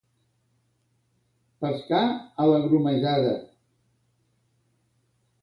Pescar a la grumejada.